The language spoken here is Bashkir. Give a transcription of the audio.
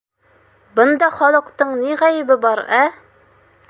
Бында халыҡтың ни ғәйебе бар, ә?